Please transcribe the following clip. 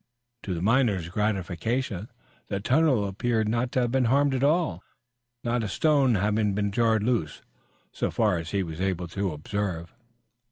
To the miner's gratification, the tunnel appeared not to have been harmed at all, not a stone having been jarred loose so far as he was able to observe.